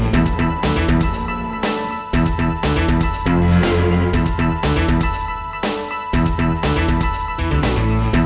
kita kita kejar dia